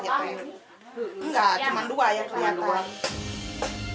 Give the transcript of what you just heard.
enggak cuma dua yang kelihatan